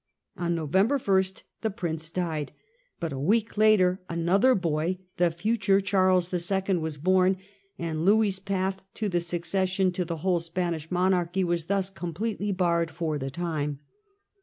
On November 1 the prince died ; but a week later another boy, the future Charles II., was born, and Louis's path to the succession to the whole Spanish monarchy was thus completely barred for the time.